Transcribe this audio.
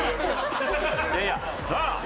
いやいやなあ？